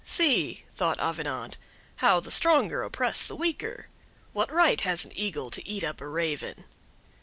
"See," thought Avenant, "how the stronger oppress the weaker! What right has an Eagle to eat up a Raven?"